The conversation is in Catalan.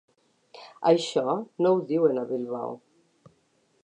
Això no ho diuen a Bilbao.